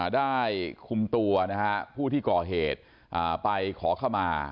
ได้คุมตัวผู้ที่ก่อเหตุไปขอเข้ามา